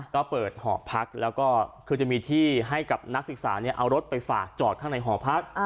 ก็เปิดหอพักแล้วก็คือจะมีที่ให้กับนักศึกษาเอารถไปฝากจอดข้างในหอพัก